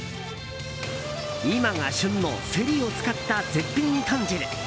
今が旬のセリを使った絶品豚汁。